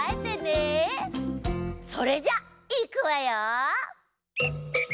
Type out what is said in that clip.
それじゃいくわよ。